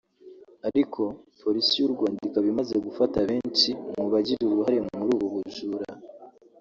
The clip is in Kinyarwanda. ariko Polisi y’u Rwanda ikaba imaze gufata abenshi mu bagira uruhare muri ubu bujura